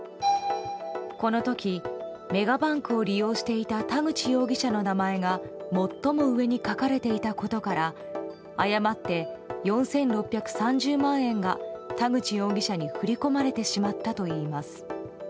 この時メガバンクを利用していた田口容疑者の名前が最も上に書かれていたことから誤って４６３０万円が田口容疑者に振り込まれてしまったといいます。